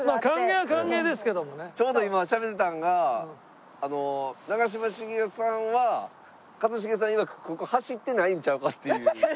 ちょうど今しゃべってたんが長嶋茂雄さんは一茂さんいわくここ走ってないんちゃうかっていう。